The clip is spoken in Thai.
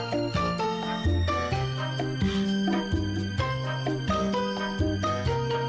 ภูมิแบบเครื่องแรงมากแรงแย่เยี่ยมทรงความแรงเหลือโลคสิทธิ์